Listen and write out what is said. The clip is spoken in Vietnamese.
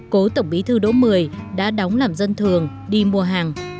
cố tổng bí thư đỗ mười đã đóng làm dân thường đi mua hàng